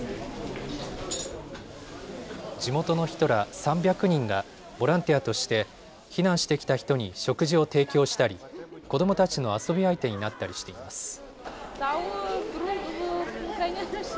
地元の人ら３００人がボランティアとして避難してきた人に食事を提供したり子どもたちの遊び相手になったりしています。